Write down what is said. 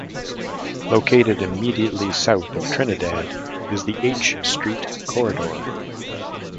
Located immediately south of Trinidad is the H Street Corridor.